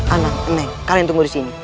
anak anak kalian tunggu disini